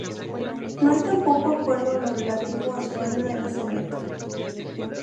No hay tampoco acuerdo en lo relativo a su año de nacimiento.